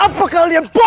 apakah kalian bodoh